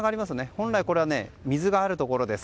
本来これは水があるところです。